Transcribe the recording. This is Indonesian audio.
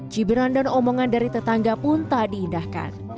cibiran dan omongan dari tetangga pun tak diindahkan